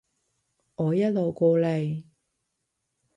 我一路過嚟